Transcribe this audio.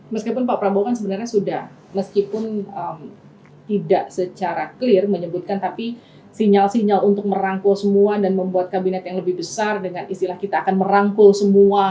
meskipun pak prabowo kan sebenarnya sudah meskipun tidak secara clear menyebutkan tapi sinyal sinyal untuk merangkul semua dan membuat kabinet yang lebih besar dengan istilah kita akan merangkul semua